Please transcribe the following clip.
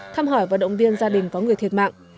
thăm hỏi và động viên gia đình có người thiệt mạng